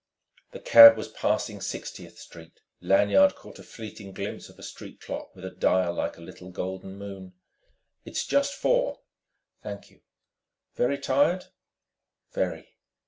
The cab was passing Sixtieth Street. Lanyard caught a fleeting glimpse of a street clock with a dial like a little golden moon. "It's just four." "Thank you...." "Very tired?" "Very...."